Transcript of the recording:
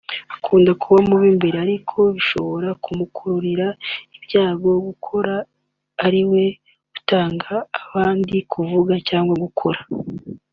Akunda kuba mu b’imbere ariko bishobora kumukurira ibyago guhora ariwe utanga abandi kuvuga cyangwa gukora